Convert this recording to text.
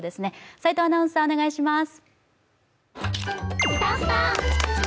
齋藤アナウンサー、お願いします。